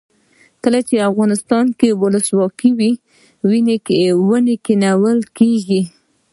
کله چې افغانستان کې ولسواکي وي ونې کینول کیږي.